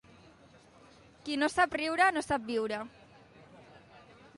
Qui no sap riure, no sap viure.